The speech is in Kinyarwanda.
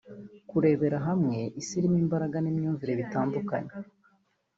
kurebera hamwe Isi irimo imbaraga n’imyumvire bitandukanye